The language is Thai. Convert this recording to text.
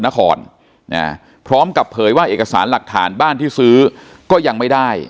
พร้อมกับเผยว่าเอกสารหลักฐานบ้านที่ซื้อก็ยังไม่ได้